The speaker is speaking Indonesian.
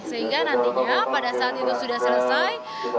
sehingga nantinya pada saat itu sudah selesai